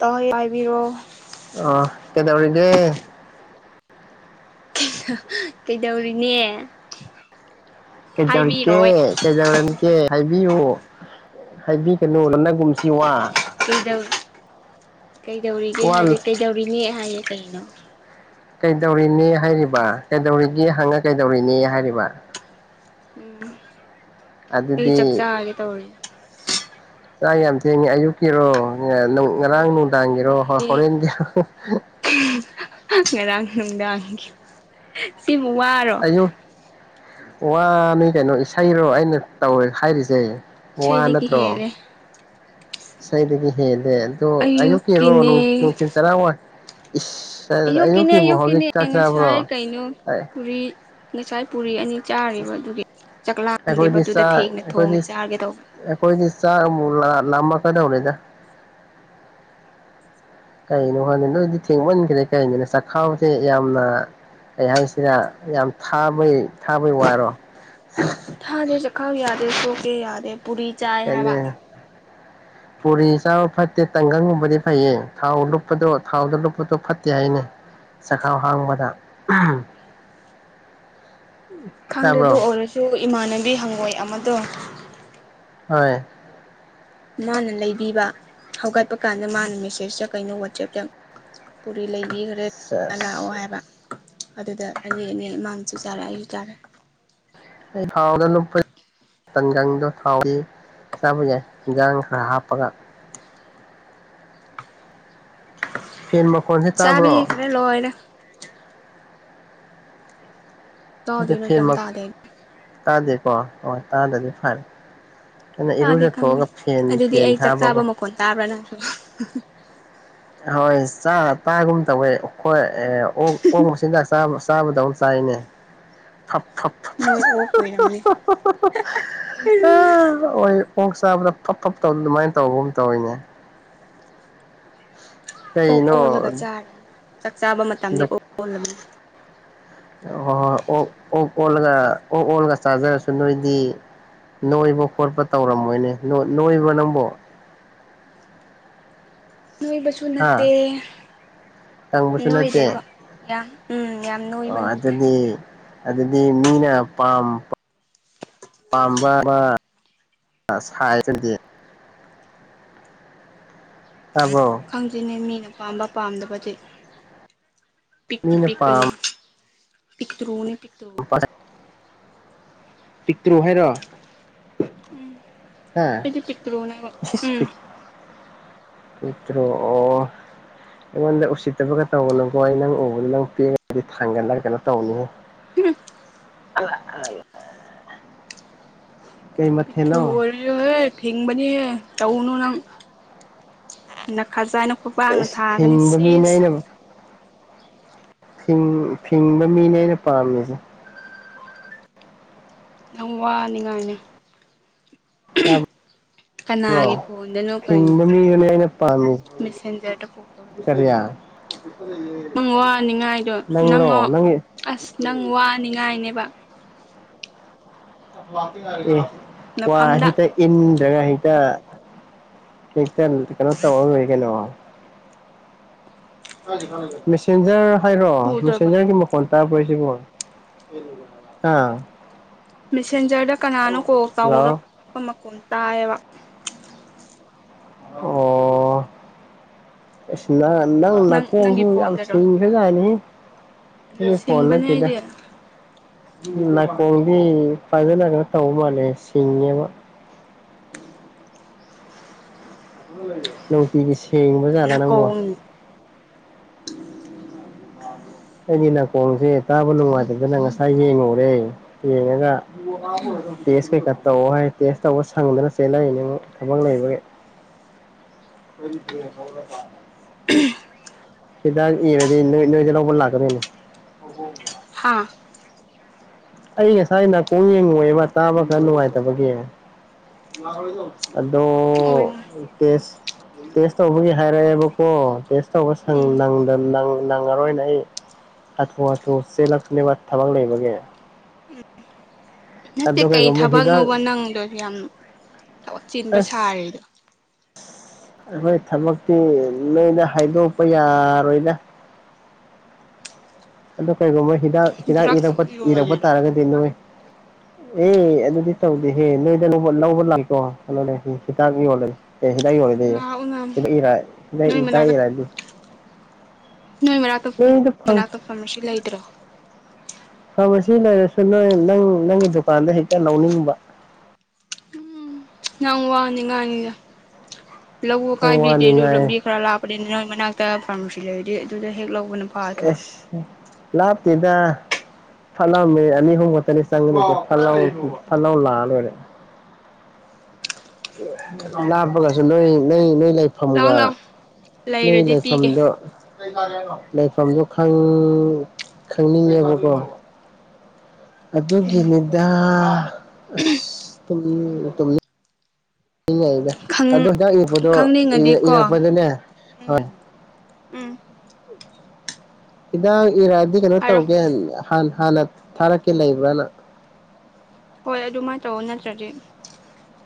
ꯇꯧꯍ‌ꯩ ꯍꯥꯏꯕꯤꯔꯣ ꯑꯥ ꯀꯩꯗꯧꯔꯤꯒꯦ ꯀꯩꯗꯧꯔꯤꯅꯦ ꯀꯩꯗꯧꯔꯤꯒꯦ ꯍꯥꯏꯕꯤꯔꯣꯏ ꯀꯩꯗꯧꯔꯝꯃꯤꯒꯦ ꯍꯥꯢꯕꯤꯌꯨ ꯍꯥꯢꯕꯤꯒꯅꯨ ꯂꯣꯠꯅꯒꯨꯝꯁꯤ ꯋꯥ ꯀꯩꯗꯧꯔꯤ ꯀꯩꯗꯧꯔꯤꯒꯦ ꯋꯥ ꯍꯥꯢꯗ‌ꯦ ꯀꯩꯗꯧꯔꯤꯅꯦ ꯍꯥꯢꯌꯦ ꯀꯩꯅꯣ ꯀꯩꯗꯧꯔꯤꯅ‌ꯦ ꯍꯥꯢꯔꯤꯕ ꯀꯩꯗꯧꯔꯤꯒꯦ ꯍꯪꯉꯥꯒ ꯀꯩꯗꯧꯔꯤꯅꯦ ꯍꯥꯢꯔꯤꯕ ꯎꯝ ꯑꯩ ꯑꯗꯨꯗꯤ ꯆꯥꯛꯆꯥꯥꯒꯦ ꯇꯧꯔꯤ ꯆꯥꯛ ꯌꯥꯝ ꯊꯦꯡꯉꯦ ꯑꯌꯨꯛꯀꯤꯔꯣ ꯉꯔꯥꯡ ꯅꯨꯡꯗꯥꯡꯒꯤꯔꯣ ꯑꯌꯨꯛꯀꯤꯅꯦ ꯍꯣ ꯍꯣ ꯍꯣꯔꯦꯟꯒꯤꯔꯣ [unintelligible] ꯉꯔꯥꯡ ꯅꯨꯡꯗꯥꯡꯒꯤ ꯁꯤꯕꯨ ꯋꯥꯔꯣ ꯑꯩꯌꯨꯛ ꯋꯥꯅꯤ ꯀꯩꯅꯣ ꯏꯁꯩꯔꯣ ꯑꯩꯅ ꯇꯧꯋꯦ ꯍꯥꯏꯔꯤꯁꯦ ꯋꯥ ꯏꯁꯩꯗꯒꯤ ꯅꯠꯇ꯭ꯔꯣ ꯍꯦꯜꯂꯦ ꯏꯁꯩꯗꯒꯤ ꯍꯦꯜꯂꯦ ꯑꯗꯣ ꯑꯌꯨꯛꯀꯤꯔꯣ ꯑꯌꯨꯛꯀꯤꯅꯦ ꯅꯨꯡ ꯅꯨꯡꯊꯤꯜ ꯆꯔꯥꯋꯥꯟ ꯏꯁ ꯑꯌꯨꯛꯀꯤꯅꯦ ꯑꯌꯨꯛꯀꯤꯕꯨ ꯍꯧꯖꯤꯛ ꯑꯌꯨꯛꯀꯤꯅꯦ ꯆꯥꯛꯆꯕ꯭ꯔꯣ ꯄꯨꯔꯤ ꯉꯁꯥꯢ ꯄꯨꯔꯤ ꯑꯅꯤ ꯆꯥꯔꯤꯕ ꯑꯗꯨꯒꯤ ꯆꯥꯛꯂꯥꯝꯗꯦꯕ ꯑꯗꯨꯗ ꯊꯦꯡꯅ ꯊꯣꯡꯉ ꯆꯥꯒꯦ ꯇꯧꯕ ꯑꯩꯈꯣꯢꯗꯤ ꯆꯥꯛ ꯑꯃꯨꯛ ꯂꯥ ꯂꯥꯝꯃꯛ ꯀꯥꯗꯧꯔꯦꯗ ꯀꯩꯅꯣ ꯈꯪꯗꯦ ꯅꯣꯢꯗꯤ ꯊꯦꯡꯃꯟꯈ꯭ꯔꯦ ꯀꯩꯅꯣꯅꯦ ꯆꯥꯛꯈꯥꯎꯁꯦ ꯌꯥꯝꯅ ꯀꯩ ꯍꯥꯢꯁꯤꯔ ꯌꯥꯝ ꯊꯥꯕꯩ ꯊꯥꯕꯩ ꯋꯥꯔꯣ ꯊꯥꯗꯦ ꯆꯥꯛꯈꯥꯎ ꯌꯥꯗꯦ [unintelligible] ꯄꯨꯔꯤ ꯆꯥꯏ ꯍꯥꯏꯕ [unintelligible] ꯄꯨꯔꯤ ꯆꯥꯕ ꯐꯠꯇꯦ ꯇꯪꯒꯪꯒꯨꯝꯕꯗꯤ ꯐꯩꯌꯦ ꯊꯥꯎ ꯂꯨꯞꯄꯗꯣ ꯊꯥꯎꯗ ꯂꯨꯞꯄꯗꯣ ꯐꯠꯇꯦ ꯍꯥꯢꯅꯦ꯫ ꯆꯈꯥꯎ ꯍꯥꯡꯕꯗ ꯑꯍꯝ ꯈꯪꯗꯦ ꯗꯨ ꯑꯣꯢꯔꯁꯨ ꯏꯃꯥꯟꯅꯕꯤ ꯍꯪꯉꯣꯢ ꯑꯃꯗꯣ ꯍꯣꯢ ꯃꯥꯅ ꯂꯩꯕꯤꯕ ꯍꯧꯒꯠꯄ ꯀꯥꯟꯗ ꯃꯥꯅ ꯃꯦꯁꯦꯁꯇ ꯀꯩꯅꯣ ꯋꯥꯆꯦꯞꯇ ꯄꯨꯔꯤ ꯂꯩꯕꯤꯒꯔꯦ ꯂꯥꯛꯑꯣ ꯁꯦꯁ ꯍꯥꯢꯕ ꯑꯗꯨꯗ ꯑꯩꯅꯤ ꯑꯅꯤ ꯃꯥꯅꯁꯨ ꯆꯥꯔꯦ ꯑꯩꯁꯨ ꯆꯥꯔꯦ ꯑꯩ ꯐꯥꯎꯗ ꯅꯨꯄꯤ ꯇꯟꯒꯪꯗꯣ ꯊꯥꯎꯒꯤ ꯆꯥꯕ ꯌꯥꯢ ꯏꯟꯖꯥꯡ ꯈꯔ ꯍꯥꯞꯄꯒ꯫ ꯐꯦꯟ ꯃꯈꯣꯟꯁꯦ ꯇꯥꯕ꯭ꯔꯣ [unintelligible] ꯂꯣꯢꯔꯦ ꯅꯠꯇꯦ ꯇꯥꯗꯣꯏꯅꯣ ꯐꯦꯟ ꯀꯩꯝ ꯃ ꯇꯥꯗꯦ ꯇꯥꯗꯦꯀꯣ ꯍꯣꯢ ꯇꯥꯗ꯭ꯔꯥꯗꯤ ꯐꯔꯦ ꯑꯩꯅ ꯇꯥꯗꯦ ꯈꯪꯗꯦ ꯏꯔꯨꯖꯊꯣꯛꯑꯒ ꯐꯦꯟ ꯑꯗꯨꯗꯤ ꯐꯦꯟ ꯑꯩ ꯆꯥꯛ ꯆꯥꯕ ꯊꯥꯕꯀꯣ ꯃꯈꯣꯟ ꯇꯥꯕ꯭ꯔꯥ ꯅꯪꯁꯨ ꯍꯣꯢ ꯆꯥꯔ ꯇꯥꯒꯨꯝ ꯇꯧꯋꯦ ꯍꯣꯢ ꯑꯦ ꯑꯣꯛ ꯑꯣꯛ ꯃꯆꯤꯟꯖꯥꯛ ꯆꯥꯥꯕ ꯆꯥꯕꯗꯧ ꯆꯥꯢꯅꯦ ꯈꯞ ꯈꯞ ꯅꯣꯢ ꯑꯣꯛ ꯀꯣꯢꯔꯝꯅꯤ [unintelligible] ꯑꯣꯢ ꯑꯣꯛ ꯆꯥꯕꯗ ꯈꯞ ꯈꯞ ꯇꯧꯕ ꯑꯗꯨꯃꯥꯢꯟ ꯇꯧꯕꯒꯨꯝ ꯇꯧꯋꯤꯅꯦ ꯑꯣꯛ ꯀꯩꯅꯣ ꯑꯣꯜꯂꯒ ꯍꯣꯏ ꯆꯥꯛ ꯆꯥꯛ ꯆꯥꯕ ꯃꯇꯝꯗꯤ ꯑꯣꯛ ꯑꯣꯜꯂꯅꯤ ꯍꯣꯢ ꯍꯣꯢ ꯑꯣꯛ ꯑꯣꯛ ꯑꯣꯜꯂꯒ ꯑꯣꯛ ꯑꯣꯜꯂꯒ ꯆꯥꯖꯔꯁꯨ ꯅꯣꯢꯗꯤ ꯅꯣꯢꯕ ꯈꯣꯠꯄ ꯇꯧꯔꯝꯃꯣꯢꯅꯦ ꯅꯣꯢ ꯅꯣꯢꯕ꯭ꯔꯣ ꯅꯪꯕꯣ ꯅꯣꯢꯕꯁꯨ ꯍꯥ ꯅꯠꯇꯦ ꯀꯪꯕꯁꯨ ꯅꯠꯇꯦ ꯅꯣꯢꯗꯦꯕ ꯌꯥꯝ ꯎꯝ ꯌꯥꯝ ꯑꯣ ꯅꯣꯢꯕ ꯅꯠꯇꯦ ꯑꯗꯨꯗꯤ ꯑꯗꯨꯗꯤ ꯃꯤꯅ ꯄꯥꯝ ꯄꯥꯝꯕ ꯕ [unintelligible] ꯇꯥꯕ꯭ꯔꯣ ꯈꯪꯗ꯭ꯔꯤꯅꯦ ꯃꯤꯅ ꯄꯥꯝꯕ ꯄꯥꯝꯗꯕꯗꯤ ꯄꯤꯛꯇꯤ ꯃꯤꯅ ꯄꯤꯛꯄꯅꯤ ꯄꯥꯝ ꯄꯤꯛꯇ꯭ꯔꯨꯅꯤ ꯄꯤꯛꯇ꯭ꯔꯨ [unintelligible] ꯇ꯭ꯔꯨ ꯍꯥꯢꯔꯣ ꯍꯥ ꯑꯩꯗꯤ ꯄꯤꯛꯇ꯭ꯔꯨꯅꯦꯕ ꯎꯝ [unintelligible] ꯇ꯭ꯔꯣ ꯑꯣ ꯑꯩꯉꯣꯟꯗ ꯎꯁꯤꯠꯇꯕꯒ ꯇꯧꯒꯅꯨꯀꯣ ꯑꯩ ꯅꯪ ꯎꯕꯗ ꯅꯪ [unintelligible] ꯊꯥꯡꯒꯠꯂ ꯀꯩꯅꯣ ꯇꯧꯅꯤ [unintelligible] [unintelligible] ꯀꯩ ꯄꯨ ꯃꯊꯦꯜꯅꯣ ꯑꯣꯢ [unintelligible] ꯐꯤꯡꯕꯅꯤꯌꯦ ꯇꯧꯅꯨ ꯅꯪ ꯅꯦꯈꯖꯥꯏꯅ ꯈꯨꯄꯥꯛꯅ ꯏꯁ ꯊꯥꯒꯅꯤ ꯐꯤꯡꯕ ꯃꯤꯅꯦ ꯁꯤꯁ ꯑꯩꯅ ꯐꯤꯡ ꯐꯤꯡꯕ ꯃꯤꯅꯦ ꯑꯩꯅ ꯄꯥꯝꯃꯤꯖꯦ ꯌꯥꯝ ꯋꯥꯅꯤꯡꯉꯥꯢꯅꯦ [unintelligible] ꯇꯥꯕ꯭ꯔꯣ ꯀꯅꯥꯒꯤ ꯐꯣꯟꯗꯅꯣ ꯀꯩꯅꯣ ꯐꯤꯡꯕ ꯃꯤꯗꯨꯅꯦ ꯑꯩꯅ ꯄꯥꯝꯃꯤ ꯃꯦꯁꯦꯟꯖꯔꯗ ꯀꯣꯜ ꯇꯧꯔꯛꯄ ꯀꯔꯤ ꯃꯥꯅ ꯅꯪ ꯋꯥꯅꯤꯡꯉꯥꯢꯗꯣ ꯅꯪ ꯅꯪꯂꯣ ꯑꯣ ꯅꯪꯒꯤ ꯑꯁ ꯅꯪ ꯋꯥꯅꯤꯡꯉꯥꯢꯅꯦꯕ [unintelligible] ꯑꯦ ꯋꯥ ꯅꯐꯝꯗ [unintelligible] ꯏꯟꯗ꯭ꯔꯒ ꯍꯦꯛꯇ ꯍꯦꯛꯇ ꯀꯩꯅꯣ ꯇꯧꯔ ꯂꯣꯢꯔꯦ ꯀꯩꯅꯣ ꯃꯦꯁꯦꯟꯖꯔ ꯍꯥꯏꯔꯣ ꯐꯨꯗꯣꯏꯕ ꯃꯦꯁꯦꯟꯖꯔꯒꯤ ꯃ ꯐꯣꯟ ꯄꯥꯢꯔꯛꯄ꯭ꯔꯣ ꯁꯤꯕꯣ ꯍꯥ ꯃꯦꯁꯦꯟꯖꯔꯗ ꯀꯅꯥꯅꯣ ꯀꯣꯜ ꯍꯜꯂꯣ ꯇꯧꯔꯛꯄ ꯃꯈꯣꯟ ꯇꯥꯏꯌꯦꯕ ꯑꯣ ꯑꯁ ꯅꯪ ꯅꯪ ꯅꯪꯒꯤ ꯅꯥꯀꯣꯡꯗꯣ ꯌꯥꯝ ꯐꯣꯟꯗꯔꯣ ꯁꯤꯡ ꯕꯦꯔꯥꯅꯤ ꯑꯩꯒꯤ ꯐꯣꯟ ꯁꯤꯡꯕꯅꯦ ꯅꯠꯇꯦꯗ ꯑꯩꯗꯤ ꯅꯥꯀꯣꯡꯗꯤ ꯐꯖꯅ ꯀꯩꯅꯣ ꯇꯧꯕ ꯃꯥꯜꯂꯦ ꯁꯤꯡꯉꯦꯕ ꯅꯨꯡꯇꯤꯒꯤ ꯁꯦꯡꯕ ꯖꯥꯠꯂ ꯅꯪꯕꯣ ꯅꯥꯀꯣꯡ ꯑꯩꯗꯤ ꯅꯥꯀꯣꯡꯖꯦ ꯇꯥꯕ ꯅꯨꯡꯉꯥꯏꯇꯗꯅ ꯉꯁꯥꯏ ꯌꯦꯡꯉꯨꯔꯦ ꯌꯦꯡꯉꯒ ꯇꯦꯁ ꯀꯩꯀꯥ ꯇꯧ ꯍꯥꯏ ꯇꯦꯁ ꯇꯧꯕ ꯁꯪꯗꯅ ꯆꯦꯂꯛꯏꯅꯦ ꯊꯕꯛ ꯂꯩꯕꯒꯤ [unintelligible] ꯍꯤꯗꯥꯛ ꯏꯔꯗꯤ ꯅꯣꯢ ꯅꯣꯢꯗ ꯂꯧꯕ ꯂꯥꯛꯀꯗꯣꯢꯅꯦ [unintelligible] ꯍꯥꯥ ꯑꯩꯗꯤ ꯉꯁꯥꯏ ꯅꯥꯀꯣꯡ ꯌꯦꯡꯉꯨꯔꯦꯕ ꯇꯥꯕ ꯈꯔ ꯅꯨꯡꯉꯥꯏꯇꯕꯒꯤ ꯑꯗꯣ ꯑꯣ ꯏ ꯇꯦꯁ ꯇꯦꯁ ꯇꯧꯕꯒꯤ ꯍꯥꯏꯔꯛꯑꯦꯕꯀꯣ ꯇꯦꯁ ꯇꯧꯕ ꯁꯪ ꯎꯝ ꯅꯪ ꯅꯪ ꯅꯪꯉꯔꯣꯏꯅꯥ ꯑꯩ ꯍꯥꯊꯨ ꯍꯥꯊꯨ ꯆꯦꯜꯂꯛꯄꯅꯦꯕ ꯊꯕꯛ ꯂꯩꯕꯒꯤ ꯅꯠꯇꯦ ꯑꯗꯨ ꯀꯩ ꯀꯩꯒꯨꯝꯕ ꯍꯤꯗꯥꯛ ꯊꯕꯛꯅꯣꯕ ꯅꯪꯗꯣ ꯌꯥꯝ ꯊꯕꯛ ꯆꯤꯟꯕ ꯑꯁ ꯁꯥꯔꯤꯗꯣ ꯑꯩꯈꯣꯏ ꯊꯕꯛꯇꯤ ꯅꯣꯏꯗ ꯍꯥꯏꯗꯣꯛꯄ ꯌꯥꯔꯣꯏꯗ ꯑꯗꯨ ꯀꯩꯒꯨꯝꯕ ꯍꯤꯗꯥꯛ ꯍꯤꯗꯥꯛ ꯗ꯭ꯔꯛꯁ ꯏꯔꯛꯄ ꯏꯔꯛꯄ ꯌꯣꯜꯂꯤꯔꯣ ꯇꯥꯔꯒꯗꯤ ꯅꯣꯏ ꯑꯦ ꯑꯗꯨꯗꯤ ꯇꯧꯗꯦꯍꯦ ꯅꯣꯏꯗ ꯂꯧꯕ ꯂꯧꯕ ꯂꯥꯛꯀꯦꯀꯣ ꯀꯩꯅꯣꯅꯦ ꯅꯤꯁꯤꯀꯥꯖꯨ ꯌꯣꯜꯂꯦ ꯑꯦ ꯍꯤꯗꯥꯛ ꯌꯣꯜꯂꯗꯤ ꯂꯥꯛꯎꯅ ꯏꯗꯛ ꯏꯔꯥꯏ ꯍꯤꯗꯥꯛ ꯏ ꯅꯣꯏ ꯃꯅꯥꯛꯇ ꯆꯥꯒꯦꯔꯗꯤ ꯅꯣꯏ ꯃꯅꯥꯛꯇꯣ ꯎꯝ ꯅꯣꯏꯗ ꯃꯅꯥꯛꯇꯣ ꯐꯥꯔꯃꯥꯁꯤ ꯂꯩꯇ꯭ꯔꯣ ꯐꯔꯃꯁꯤ ꯂꯩꯔꯁꯨ ꯅꯣꯏ ꯅꯪ ꯅꯪꯒꯤ ꯗꯨꯀꯥꯟꯗ ꯍꯦꯛꯇ ꯂꯧꯅꯤꯡꯕ ꯅꯡ ꯋꯥꯅꯤ ꯉꯥꯏꯅꯤꯗ ꯂꯧꯋꯣ ꯅꯪ ꯋꯥꯅꯤ ꯀꯥꯏꯕꯤꯗꯦꯁꯨ ꯉꯥꯏ ꯂꯝꯕꯤ ꯈꯔ ꯂꯥꯞ ꯄꯅꯤ ꯅꯣꯏ ꯃꯅꯥꯛꯇ ꯐꯥꯔꯃꯥꯁꯤ ꯂꯩꯔꯗꯤ ꯑꯗꯨꯗ ꯍꯦꯛ ꯂꯧꯕꯅ ꯐꯗ꯭ꯔꯣ ꯑꯦꯁ ꯍꯨꯝ ꯂꯥꯞꯇꯦꯗ ꯐꯠꯂꯝꯃꯤ ꯑꯅꯤ ꯑꯍꯨꯝ ꯈꯛꯇꯅꯤ ꯆꯪꯒꯅꯤꯗ ꯐꯠꯂꯥꯎ ꯅꯪ ꯀꯩꯗꯩꯅꯣꯕ ꯐꯠꯂꯥꯎ ꯐꯠꯂꯥꯎ ꯂꯥꯛꯑ ꯂꯣꯏꯔꯦ ꯂꯥꯞꯄꯒꯁꯨ ꯅꯣꯏ ꯅꯣꯏ ꯅꯣꯏ ꯂꯩ ꯂꯥꯛꯑꯣ ꯐꯝꯒ ꯂꯥꯛꯑꯣ ꯅꯣꯢ ꯂꯩꯔꯗꯤ ꯄꯤꯒꯦ ꯂꯩꯐꯝꯗꯣ ꯀꯩ ꯆꯥꯒꯦ ꯍꯥꯏꯅꯣ ꯂꯩꯐꯝꯗꯣ ꯈꯪ ꯈꯪꯅꯤꯡꯉꯦꯕꯀꯣ ꯀꯩ ꯆꯥꯗꯣꯏꯅꯣ ꯍꯥꯏꯔꯛꯑꯣ ꯑꯗꯨꯒꯤꯅꯦ ꯌꯥ ꯑꯁ ꯇꯨꯝꯅꯤꯡꯒ ꯇꯨꯝꯅꯤꯡꯉꯛꯑꯦꯗ ꯑꯗꯣ ꯈꯪ ꯍꯤꯗꯥꯛ ꯏꯔꯛꯄꯗꯣ ꯏꯔꯛ ꯈꯪꯅꯤꯡꯉꯗꯤꯀꯣ ꯏꯔꯛꯄꯗꯅꯦ ꯎꯝ ꯍꯣꯏ ꯎꯝ [inaudible] ꯍꯤꯗꯥꯛ ꯏꯔꯛꯑꯗꯤ ꯀꯩꯅꯣ ꯍꯥꯏꯔꯣ ꯇꯧꯒꯦ ꯍꯥꯟ ꯍꯥꯟꯅ ꯊꯥꯔꯛꯀꯦ ꯂꯩꯕ꯭ꯔꯅ ꯍꯣꯏ ꯑꯗꯨꯃꯥꯏꯅ ꯇꯧꯋꯣ ꯅꯠꯇ꯭ꯔꯗꯤ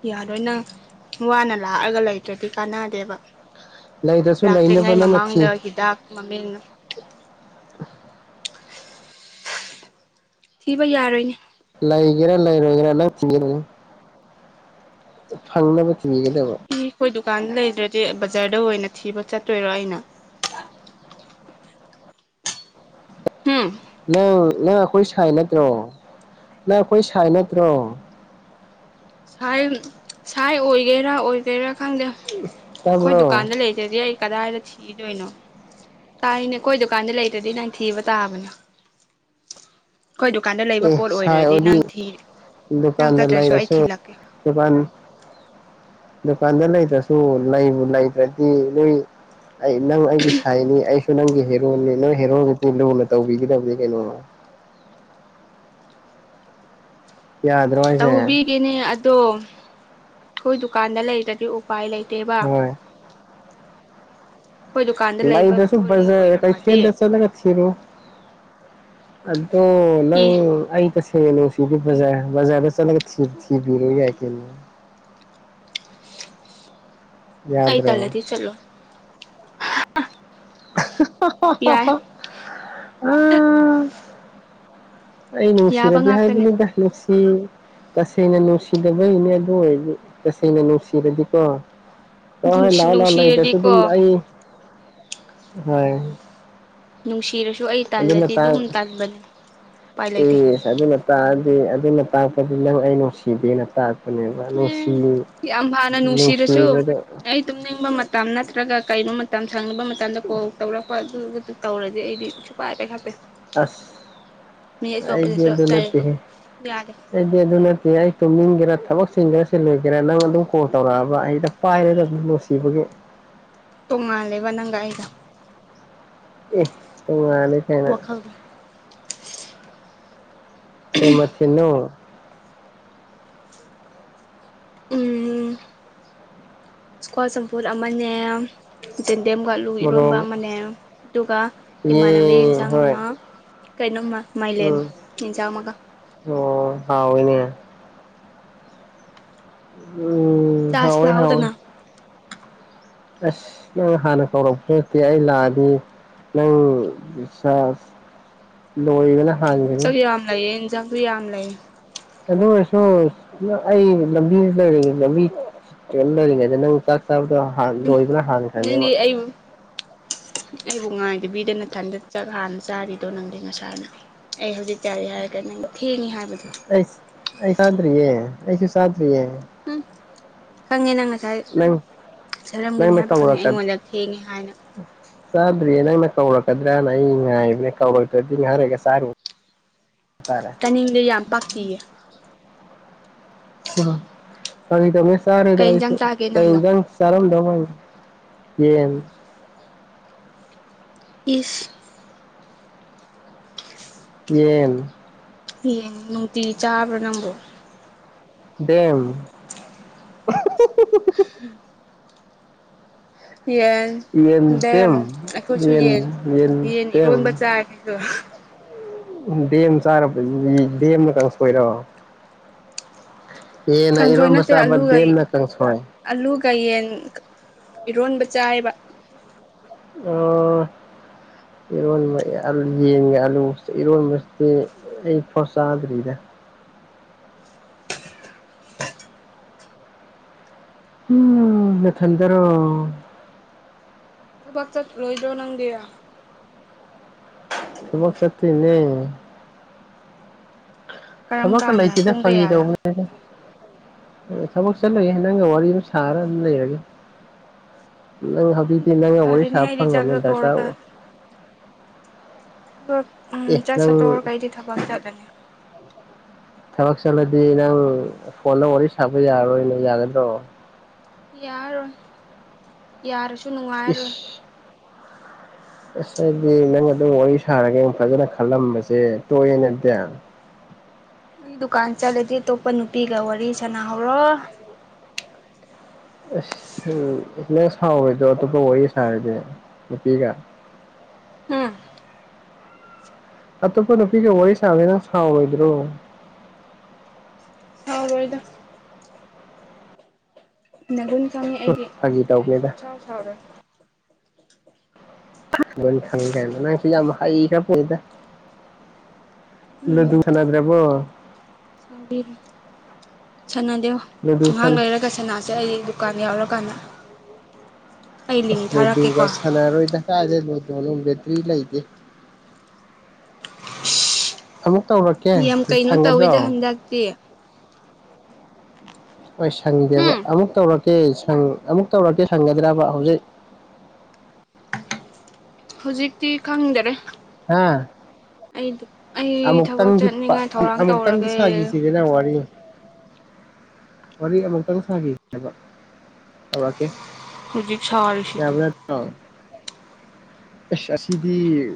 ꯌꯥꯔꯣꯏ ꯅꯪ ꯋꯥꯅ ꯂꯥꯛꯑꯒ ꯂꯩꯇ꯭ꯔꯗꯤ ꯀꯥꯟꯅꯗꯦꯕ ꯂꯩꯗ꯭ꯔꯁꯨ ꯂꯩꯅꯕ ꯂꯥꯛꯇ꯭ꯔꯤꯉꯩ ꯅꯪꯅ ꯊꯤ ꯃꯃꯥꯡꯗ ꯍꯤꯗꯥꯛ ꯃꯃꯤꯡ ꯊꯤꯕ ꯌꯥꯔꯣꯏꯅꯦ ꯂꯩꯒꯦꯔꯥ ꯂꯩꯔꯣꯏꯒꯦꯔꯥ ꯅꯪ ꯊꯤꯕꯤꯅꯨ ꯐꯪꯅꯕ ꯊꯤꯕꯤꯒꯗꯕ ꯏ ꯑꯩꯈꯣꯏ ꯗꯨꯀꯥꯟꯗ ꯂꯩꯇ꯭ꯔꯗꯤ ꯕꯖꯥꯔꯗ ꯑꯣꯏꯅ ꯊꯤꯕ ꯆꯠꯇꯣꯏꯔꯣ ꯑꯩꯅ ꯍꯨꯝ ꯅꯪ ꯅꯪ ꯑꯩꯈꯣꯏ ꯁꯥꯏ ꯅꯠꯇ꯭ꯔꯣ ꯅꯪ ꯑꯈꯣꯏ ꯁꯥꯏ ꯅꯠꯇ꯭ꯔꯣ ꯁꯥꯏ ꯁꯥꯏ ꯑꯣꯏꯒꯦꯔꯥ ꯑꯣꯏꯗ꯭ꯔꯤꯔꯥ ꯈꯪꯗꯦ ꯑꯩꯈꯣꯏ ꯇꯥꯕ꯭ꯔꯣ ꯗꯨꯀꯥꯟꯗ ꯂꯩ ꯗꯤ ꯑꯩ ꯀꯗꯥꯏꯗ ꯊꯤꯗꯣꯏꯅꯣ ꯇꯥꯏꯅꯦ ꯑꯩꯈꯣꯏ ꯗꯨꯀꯥꯟꯗ ꯂꯩꯇ꯭ꯔꯗꯤ ꯅꯪ ꯊꯤꯕ ꯇꯥꯕꯅꯤ ꯑꯩꯈꯣꯏ ꯗꯨꯀꯥꯟꯗ ꯂꯩꯕ ꯑꯦ ꯄꯣꯠ ꯁꯥꯏ ꯑꯣꯏꯗ꯭ꯔꯗꯤ ꯑꯣꯏꯗꯤ ꯅꯪ ꯊꯤ ꯅꯪ ꯗꯨꯀꯥꯟꯗ ꯆꯠꯇ꯭ꯔꯁꯨ ꯑꯩ ꯂꯩꯔꯁꯨ ꯊꯤꯜꯂꯛꯀꯦ ꯗꯨꯀꯥꯟ ꯗꯨꯀꯥꯟꯗ ꯂꯩꯇ꯭ꯔꯁꯨ ꯂꯩꯕꯨ ꯂꯩꯗ꯭ꯔꯗꯤ ꯅꯣꯏ ꯑꯩ ꯅꯪ ꯑꯩꯒꯤ ꯁꯥꯏꯅꯤ ꯑꯩ ꯅꯪꯒꯤ ꯍꯦꯔꯣꯅꯦ ꯅꯣꯢ ꯍꯦꯔꯣꯗꯗꯤ ꯂꯨꯅ ꯇꯧꯕꯤꯒꯗꯕꯅꯦ ꯀꯩꯅꯣ ꯌꯥꯗ꯭ꯔꯣ ꯍꯥꯏꯁꯦ ꯀꯦꯅꯦ ꯑꯗꯣ ꯑꯩꯈꯣꯏ ꯗꯨꯀꯥꯟꯗ ꯂꯩꯇ꯭ꯔꯗꯤ ꯑꯣꯛ ꯄꯥꯏ ꯂꯩꯇꯦꯕ ꯍꯣꯏ ꯑꯩꯈꯣꯏ ꯗꯨꯀꯥꯟꯗ ꯂꯩꯕ ꯂꯩꯇ꯭ꯔꯁꯨ ꯄꯣꯠ ꯍꯦꯛ ꯕꯖꯥꯔ ꯑꯣꯏꯔꯝꯃꯗꯤ ꯀꯩꯊꯦꯟꯗ ꯆꯠꯂꯒ ꯊꯤꯔꯨ ꯑꯗꯣ ꯏ ꯅꯪ ꯑꯩ ꯇꯥꯁ ꯅꯪꯒꯤ ꯂꯣꯐꯤꯗꯤ ꯕꯖꯥꯔ ꯕꯖꯥꯔꯗ ꯆꯠꯂꯒ ꯊ ꯊꯤꯕꯤꯔꯨ ꯌꯥꯏ ꯀꯧꯅꯣ ꯑꯩ ꯌꯥꯗ꯭ꯔꯣ ꯇꯜꯂꯗꯤ ꯆꯠꯂꯣꯢ ꯌꯥꯏ [unintelligible] ꯑꯥ ꯑꯩ ꯌꯥꯕ ꯅꯨꯡꯁꯤꯔꯗꯤ ꯉꯥꯛꯇꯅꯦ ꯍꯥꯏꯕꯅꯤꯗ ꯅꯨꯡꯁꯤ ꯇꯁꯦꯡꯅ ꯅꯨꯡꯁꯤꯗꯕꯒꯤꯅꯦ ꯑꯗꯨ ꯑꯣꯏꯔꯗꯤ ꯇꯁꯦꯡꯅ ꯅꯨꯡꯁꯤꯔꯗꯤꯀꯣ ꯍꯣꯏ ꯍꯣꯏ ꯅꯨꯡꯁꯤ ꯂꯥꯛꯑꯣ ꯂꯥꯛꯑꯣ ꯂꯩꯇ꯭ꯔꯁꯨ ꯅꯨꯡꯁꯤꯔꯗꯤꯀꯣ ꯑꯗꯨꯝ ꯑꯩ ꯍꯣꯏ꯫ ꯅꯨꯡꯁꯤꯔꯁꯨ ꯑꯩ ꯑꯗꯨꯅ ꯇꯜꯂꯗꯤ ꯑꯗꯨꯝ ꯇꯥꯡ ꯇꯟꯕꯅꯦ ꯎꯄꯥꯏ ꯂꯩꯇꯦ꯫ ꯑꯦꯁ ꯑꯗꯨꯅ ꯇꯥꯛꯑꯗꯤ ꯑꯗꯨꯅ ꯇꯥꯛꯄꯗꯤ ꯅꯪ ꯑꯩ ꯅꯨꯡꯁꯤꯗꯦꯅ ꯇꯥꯛꯄꯅꯦꯕ ꯅꯨꯡꯁꯤ ꯑꯦ ꯌꯥꯝ ꯍꯥꯟꯅ ꯅꯨꯡꯁꯤꯔꯁꯨ ꯅꯨꯡꯁꯤꯕꯗ ꯑꯩ ꯇꯨꯝꯅꯤꯡꯕ ꯃꯇꯝ ꯅꯠꯇ꯭ꯔꯒ ꯀꯩ [unintelligible] ꯃꯇꯝ ꯁꯪꯗꯕ ꯃꯇꯝꯗ ꯀꯣꯜ ꯇꯧꯔꯛꯄ ꯑꯗꯨ [unintelligible] ꯇꯧꯔꯗꯤ ꯑꯩꯗꯤ ꯁꯨꯛꯄꯥꯏ ꯄꯥꯏꯈꯠꯇꯦ꯫ ꯑꯁ ꯃꯤ ꯑꯩꯗꯤ ꯑꯇꯣꯞꯄꯗꯁꯨ ꯑꯗꯨ ꯇꯧꯔꯁꯨ ꯅꯠꯇꯦꯍꯦ꯫ ꯌꯥꯗꯦ ꯑꯩꯗꯤ ꯑꯗꯨ ꯅꯠꯇꯦ ꯑꯩ ꯇꯨꯝꯅꯤꯡꯒꯦꯔꯥ ꯊꯕꯛ ꯆꯤꯟꯒꯦꯔ ꯆꯤꯜꯂꯣꯏꯒꯦꯔ ꯅꯪ ꯑꯗꯨꯝ ꯀꯣꯜ ꯇꯧꯔꯛꯑꯕ ꯑꯩꯗ ꯄꯥꯏꯔꯗꯕꯅꯦ ꯅꯨꯡꯁꯤꯕꯒꯤ꯫ ꯇꯣꯡꯉꯥꯜꯂꯦꯕ ꯅꯪꯒ ꯑꯩꯒ꯫ ꯑꯦ ꯇꯣꯡꯉꯥꯜꯂꯦ ꯋꯥꯈꯜꯗꯣ꯫ ꯀꯩ ꯃꯊꯦꯜꯅꯣ꯫ ꯎꯝ ꯁꯀ꯭ꯋꯥꯁ ꯆꯝꯐꯨꯠ ꯑꯃꯅꯦ꯫ ꯖꯦꯟꯗꯦꯝꯒ ꯑꯂꯨꯒ ꯏꯔꯣꯟꯕ ꯃꯣꯔꯣꯛ ꯑꯃꯅꯦ ꯑꯗꯨꯒ ꯌꯦ ꯏꯃꯥꯟꯅꯕꯤꯒꯤ ꯍꯣꯏ ꯍꯤꯟꯁꯥꯡꯗꯨꯅ ꯀꯩꯅꯣꯝꯃ ꯃꯥꯏꯂꯦꯟ ꯎꯝ ꯌꯦꯟꯖꯥꯡ ꯑꯃꯒ꯫ ꯑꯣ ꯍꯥꯎꯋꯦꯅꯦ꯫ ꯎꯝ꯫ ꯆꯥꯁꯤ ꯍꯥꯎꯋꯦ ꯍꯥꯎꯋꯦ ꯂꯥꯎꯗꯅ꯫ ꯑꯁ ꯅꯪꯅ ꯍꯥꯟꯅ ꯀꯧꯔꯛꯄꯁꯨ ꯅꯠꯇꯦ ꯑꯩ ꯂꯥꯛꯑꯗꯤ ꯅꯪ ꯁꯥꯁ ꯂꯣꯏꯕꯅ ꯍꯥꯟꯒꯅꯤ ꯆꯥꯛ ꯌꯥꯝ ꯂꯩꯌꯦ ꯌꯦꯟꯖꯥꯡꯁꯨ ꯌꯥꯝ ꯂꯩꯌꯦ꯫ ꯑꯗꯨ ꯑꯣꯏꯔꯁꯨ ꯅ ꯑꯩ ꯂꯝꯕꯤꯗ [unintelligible] ꯂꯝꯕꯤ [unintelligible] ꯅꯪ ꯆꯥꯛ ꯆꯥꯕꯗꯣ ꯎꯝ ꯂꯣꯏꯕꯅ ꯍꯥꯟꯈ꯭ꯔꯅꯦꯕ ꯅꯪꯗꯤ ꯑꯩꯕꯨ ꯑꯩꯕꯨ ꯉꯥꯏꯗꯕꯤꯗ ꯅꯊꯟꯗ ꯆꯥꯛ ꯍꯥꯟꯅ ꯆꯥꯔꯤꯗꯣ ꯅꯪꯗꯤ ꯉꯁꯥꯏꯅ꯫ ꯑꯩ ꯍꯧꯖꯤꯛ ꯆꯥꯔꯤ ꯍꯥꯏꯔꯒ ꯅꯪ ꯊꯦꯡꯉꯤ ꯍꯥꯏꯕꯗꯣ꯫ ꯑꯩꯁ ꯑꯩ ꯆꯥꯗ꯭ꯔꯤꯌꯦ ꯑꯩꯁꯨ ꯆꯥꯗ꯭ꯔꯤꯌꯦ꯫ ꯎꯝ꯫ ꯈꯪꯉꯦ ꯅꯪ ꯉꯁꯥꯏ ꯅꯪ ꯆꯥꯔꯝꯒꯅꯤ ꯅꯪꯅ ꯍꯥꯏꯕ ꯈꯪꯉꯦ ꯀꯧꯔꯛꯀ ꯑꯩꯉꯣꯟꯗ ꯊꯦꯡꯉꯦ ꯍꯥꯏꯅ ꯆꯥꯗ꯭ꯔꯤꯌꯦ ꯅꯪꯅ ꯀꯧꯔꯛꯀꯗ꯭ꯔꯅ ꯑꯩ ꯉꯥꯏꯕꯅꯦ ꯀꯧꯔꯛꯇ꯭ꯔꯗꯤ ꯉꯍꯥꯏꯔꯒ ꯆꯥꯔꯨ ꯇꯥꯔꯦ꯫ ꯇꯥꯅꯤꯡꯗꯦ ꯌꯥꯝ ꯄꯥꯛꯇꯤꯌꯦ꯫ [unintelligible] ꯐꯥꯒꯤ ꯇꯧꯅꯦ ꯆꯥꯔꯦꯗ ꯀꯩ ꯑꯩꯁꯨ ꯏꯟꯖꯥꯡ ꯆꯥꯒꯦ ꯀꯩ ꯅꯪꯗꯣ ꯏꯟꯁꯥꯡ ꯆꯥꯔꯝꯗꯧ ꯃꯥꯟ ꯌꯦꯟ꯫ ꯏꯁ꯫ ꯌꯦꯟ꯫ ꯌꯦꯟ ꯅꯨꯡꯇꯤꯒꯤ ꯆꯥꯕ꯭ꯔꯣ ꯅꯪꯕꯨ꯫ ꯗꯦꯝ꯫ [inaudible] ꯌꯦꯟ ꯗꯦꯝ ꯌꯦꯟꯗꯦꯝ ꯑꯩꯈꯣꯏꯁꯨ ꯌꯦꯟ ꯌꯦꯟ ꯏꯔꯣꯟꯕ ꯆꯥꯏ [unintelligible] ꯎ ꯗꯦꯝ ꯆꯥꯔꯕ ꯗꯦꯝ ꯀꯥꯡꯁꯣꯏꯔꯣ꯫ ꯌꯦꯟꯅ ꯀꯥꯡꯁꯣꯏ ꯏꯔꯣꯝꯕ ꯅꯠꯇꯦ ꯆꯥꯕ ꯑꯂꯨꯒ ꯗꯦꯝꯅ ꯀꯥꯡꯁꯣꯏ꯫ ꯑꯂꯨꯒ ꯌꯦꯟ ꯏꯔꯣꯟꯕ ꯆꯥꯏꯕ ꯑꯥ ꯏꯔꯣꯟꯕ ꯌꯦꯟꯒ ꯑꯂꯨꯒ ꯏꯔꯣꯟꯕꯁꯤꯗꯤ ꯑꯩ ꯐꯣꯆꯥꯗ꯭ꯔꯤꯗ ꯎꯝ ꯅꯊꯟꯗꯔꯣ ꯊꯕꯛ ꯆꯠꯂꯣꯏꯗ꯭ꯔꯣ ꯅꯪꯗꯤ ꯊꯕꯛ ꯆꯠꯇꯣꯏꯅꯦ ꯀꯔꯝ ꯊꯕꯛꯀ ꯀꯥꯟꯗ ꯂꯩꯇꯦꯗ ꯄꯨꯡ ꯐꯩꯒꯤ ꯀꯌꯥꯗ ꯇꯧꯕꯅꯦ ꯊꯕꯛ ꯆꯠꯂꯣꯏꯌꯦ ꯅꯪꯒ ꯋꯥꯔꯤ ꯑꯗꯨꯝ ꯁꯥꯔꯒ ꯑꯗꯨꯝ ꯂꯩꯔꯒꯦ ꯅꯪ ꯍꯧꯖꯤꯛꯇꯤ ꯅꯪꯒ ꯋꯥꯔꯤ ꯐꯔꯦꯅꯦ ꯁꯥꯕ ꯑꯩꯗꯤ ꯆꯥꯛ ꯐꯪꯉꯝꯅꯤꯅ ꯗꯔꯀꯥꯔ ꯆꯥꯇꯣꯛꯔꯒ ꯑꯣꯏ ꯑꯦ ꯆꯥꯛ ꯅꯪ ꯆꯥꯊꯣꯛꯑꯒꯥ ꯑꯩꯗꯤ ꯊꯕꯛ ꯆꯠꯂꯅꯤ ꯊꯕꯛ ꯆꯠꯂꯗꯤ ꯅꯪ ꯐꯣꯟꯗ ꯋꯥꯔꯤ ꯁꯥꯕ ꯌꯥꯔꯔꯣꯏꯅꯦ ꯌꯥꯒꯗ꯭ꯔꯣ ꯌꯥꯔꯣꯏ ꯌꯥꯔꯁꯨ ꯅꯨꯡꯉꯥꯏꯔꯣꯏ ꯏꯁ ꯑꯁ ꯑꯩꯗꯤ ꯅꯪ ꯑꯗꯨꯝ ꯋꯥꯔꯤ ꯁꯥꯔꯒꯦ ꯐꯖꯅ ꯈꯜꯂꯝꯕꯁꯦ ꯇꯣꯛꯑꯦꯅꯦ ꯑꯗꯨꯗꯤ ꯑꯩ ꯗꯨꯀꯥꯟ ꯆꯠꯂꯗꯤ ꯑꯇꯣꯞꯄ ꯅꯨꯄꯤꯒ ꯋꯥꯔꯤ ꯁꯥꯟꯅꯍꯧꯔꯣ ꯑꯁ ꯎꯝ ꯅꯪ ꯁꯥꯥꯎꯔꯣꯏꯗꯔꯣ ꯑꯇꯣꯞꯄ ꯋꯥꯔꯤ ꯁꯥꯔꯗꯤ ꯅꯨꯄꯤꯒ ꯎꯝ ꯑꯠꯇꯣꯞ ꯅꯨꯄꯤꯒ ꯋꯥꯔꯤ ꯁꯥꯒꯦ ꯅꯪ ꯁꯥꯥꯎꯔꯣꯏꯗ꯭ꯔꯣ ꯁꯥꯎꯔꯣꯏꯗ ꯅꯒꯨꯟ ꯈꯪꯉꯤ ꯑꯩꯗꯤ ꯐꯥꯒꯤ ꯑꯗꯨꯒꯤ ꯑꯩ ꯇꯧꯕꯅꯤꯗ ꯁꯨꯛꯁꯥꯎ ꯁꯥꯎꯔꯣꯏ ꯂꯣꯏ ꯈꯪꯉꯦ ꯀꯥꯏꯅꯥ ꯅꯪꯁꯨ ꯌꯥꯝ ꯍꯥꯏꯈ꯭ꯔꯄꯣꯠꯅꯤꯗ ꯂꯗꯨ ꯁꯥꯟꯅꯗ꯭ꯔꯕꯣ ꯁꯥꯎꯗꯦ ꯁꯥꯟꯅꯗꯦ ꯂꯨꯗꯨ ꯉꯍꯥꯛ ꯂꯩꯔꯒ ꯁꯅꯥ ꯆꯠꯂꯖꯤ ꯑꯩ ꯗꯨꯀꯥꯟ ꯌꯥꯎꯔꯀꯥꯟꯗ ꯑꯩ ꯂꯤꯡ ꯑꯁ ꯂꯨꯗꯨꯒ ꯊꯥꯔꯛꯀꯦꯀꯣ ꯁꯥꯟꯅꯔꯣꯏ ꯗ ꯀꯥꯥꯏꯗꯩ ꯂꯨꯗꯣꯅꯣ ꯕꯦꯇ꯭ꯔꯤ ꯂꯩꯇꯦ ꯑꯃꯨꯛ ꯇꯧꯔꯛꯀꯦ ꯁꯪꯒꯗ꯭ꯔꯣ ꯆꯛꯇꯤ ꯍꯣꯏ ꯁꯪꯗꯦꯕ ꯎꯝ ꯑꯃꯨꯛ ꯇꯧꯔꯛꯀꯦ ꯁꯡ ꯑꯃꯨꯛ ꯇꯧꯔꯛꯀꯦ ꯁꯪꯒꯗ꯭ꯔꯕ ꯍꯧꯖꯤꯛ ꯍꯧꯖꯤꯛꯇꯤ ꯈꯪꯗꯦꯗ ꯍꯥ ꯑꯩ ꯊꯕꯛ ꯑꯃꯨꯛꯇꯪꯗꯤ ꯄꯥ ꯆꯠꯅꯤꯡꯉꯥꯏ ꯊꯧꯔꯥꯡ ꯑꯃꯨꯛꯇꯪꯗꯤ ꯇꯧꯔꯒꯦ ꯁꯥꯈꯤꯁꯤꯗꯅ ꯋꯥꯔꯤ ꯋꯥꯔꯤ ꯑꯃꯨꯛꯇꯪ ꯁꯥꯈꯤ ꯍꯥꯏꯕ ꯇꯧꯔꯛꯇꯦ ꯍꯧꯖꯤꯛ ꯁꯥꯎꯔꯤꯁꯤꯗꯤ ꯑ ꯑꯁ ꯑꯁꯤꯗꯤ